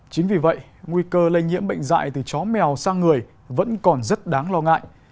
chính vì vậy nguy cơ lây nhiễm bệnh dạy từ chó mèo sang người vẫn còn rất đáng lo ngại